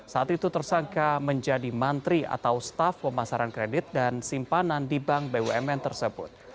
saat itu tersangka menjadi mantri atau staf pemasaran kredit dan simpanan di bank bumn tersebut